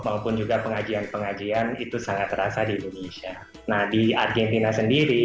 maupun juga pengajian pengajian itu sangat terasa di indonesia nah di argentina sendiri